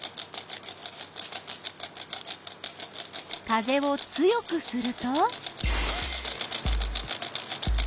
風を強くすると？